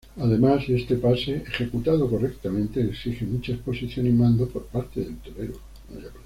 Además este pase, ejecutado correctamente, exige mucha exposición y mando por parte del torero.